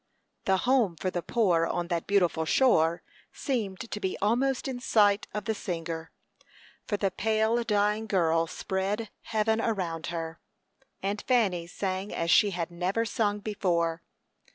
The "home for the poor on that beautiful shore" seemed to be almost in sight of the singer, for the pale, dying girl spread heaven around her; and Fanny sang as she had never sung before.